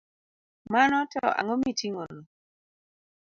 Mano to ang’o miting'ono?